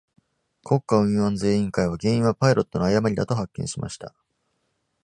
国家運輸安全委員会は原因はパイロットの誤りだと発見しました。